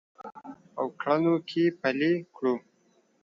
او کړنو کې پلي کړو